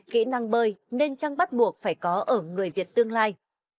kỹ năng bơi nên chăng bắt buộc phải có ở người việt tương lai